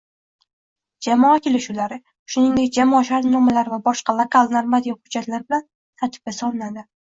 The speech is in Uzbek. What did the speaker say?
jamoa kelishuvlari, shuningdek jamoa shartnomalari va boshqa lokal normativ hujjatlar bilan tartibga solinadi”